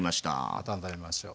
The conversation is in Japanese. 温めましょう。